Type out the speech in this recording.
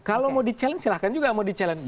kalau mau di challenge silahkan juga mau di challenge